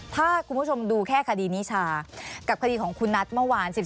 ถ้าคุณผู้ชมดูแค่คดีนิชากับคดีของคุณนัทเมื่อวาน